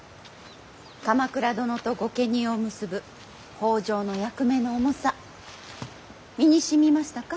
鎌倉殿と御家人を結ぶ北条の役目の重さ身にしみましたか？